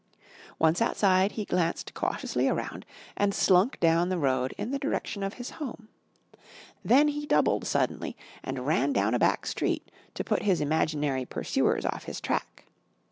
Once outside, he glanced cautiously around and slunk down the road in the direction of his home. Then he doubled suddenly and ran down a back street to put his imaginary pursuers off his track.